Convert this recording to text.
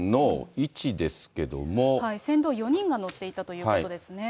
船頭４人が乗っていたということですね。